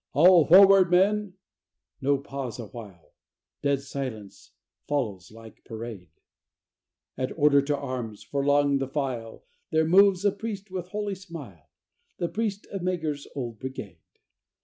"All forward, men!" No, pause a while Dead silence follows like parade At "order arms," for 'long the file There moves a priest with holy smile The priest of Meagher's old brigade.